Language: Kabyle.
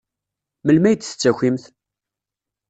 Melmi ay d-tettakimt?